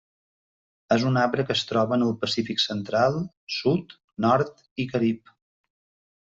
És un arbre que es troba en el Pacífic Central, Sud, Nord i Carib.